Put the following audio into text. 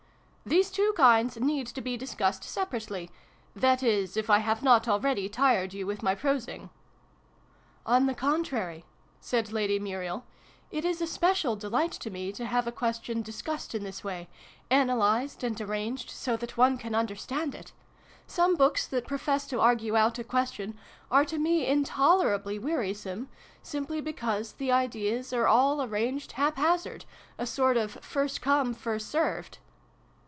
These two kinds need to be discussed separ ately that is, if I have not already tired you with my prosing ?"" On the contrary," said Lady Muriel, " it is a special delight to me to have a question discussed in this way analysed and arranged, so that one can understand it. Some books, that profess to argue out a question, are to me intolerably wearisome, simply because the ideas are all arranged hap hazard a sort of ' first come, first served.'